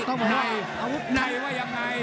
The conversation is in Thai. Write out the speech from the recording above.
ไหนไหนว่ายังไง